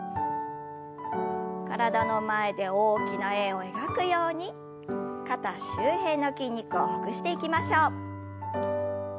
体の前で大きな円を描くように肩周辺の筋肉をほぐしていきましょう。